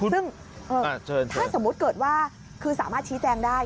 ซึ่งถ้าสมมุติเกิดว่าคือสามารถชี้แจงได้